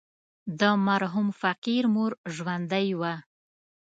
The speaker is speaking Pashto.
د مرحوم فقير مور ژوندۍ وه.